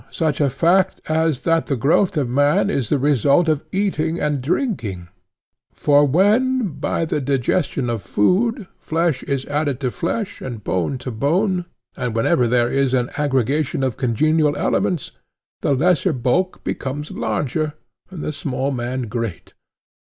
such a fact as that the growth of man is the result of eating and drinking; for when by the digestion of food flesh is added to flesh and bone to bone, and whenever there is an aggregation of congenial elements, the lesser bulk becomes larger and the small man great.